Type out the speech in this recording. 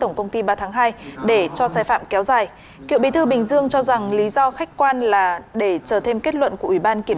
tổng công ty ba tháng hai tiếp tục phần tranh luận